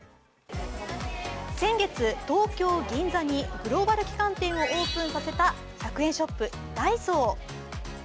先月、東京・銀座にグローバル旗艦店をオープンした１００円ショップダイソー。